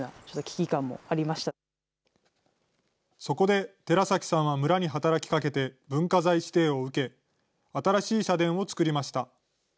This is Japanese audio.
そこで寺崎さんは村に働きかけて、文化財指定を受け、新しい社殿を作りました。